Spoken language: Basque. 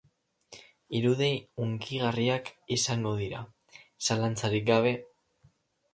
Irudi hunkigarriak izango dira, zalantzarik gabe.